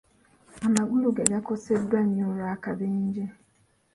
Amagulu ge gaakoseddwa nnyo olw'akabenje.